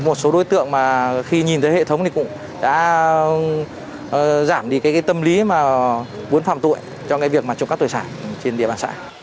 một số đối tượng khi nhìn thấy hệ thống cũng đã giảm đi tâm lý muốn phạm tội trong việc trộm các tội sản trên địa bàn xã